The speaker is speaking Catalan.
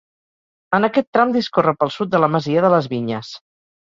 En aquest tram discorre pel sud de la masia de les Vinyes.